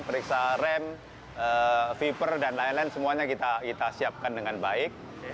periksa rem viper dan lain lain semuanya kita siapkan dengan baik